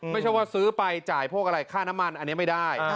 ไม่ใช่ว่าซื้อไปจ่ายพวกอะไรค่าน้ำมันอันนี้ไม่ได้